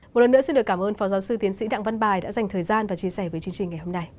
một lần nữa xin được cảm ơn phó giáo sư tiến sĩ đặng văn bài đã dành thời gian và chia sẻ với chương trình ngày hôm nay